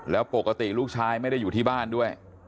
แล้วปกติลูกชายไม่ได้อยู่ที่บ้านด้วย